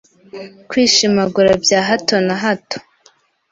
kwishimagura bya hato na hato